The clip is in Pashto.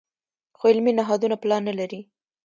خو علمي نهادونه پلان نه لري.